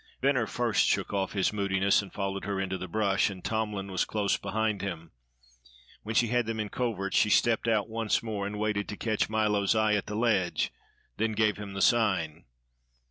Venner first shook off his moodiness and followed her into the brush; and Tomlin was close behind him. When she had them in covert, she stepped out once more, waited to catch Milo's eye at the ledge, then gave him the sign.